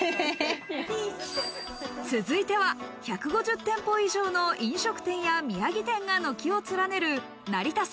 続いては１５０店舗以上の飲食店や土産店が軒を連ねる成田山